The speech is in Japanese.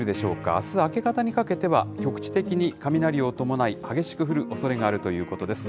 あす明け方にかけては、局地的に雷を伴い、激しく降るおそれがあるということです。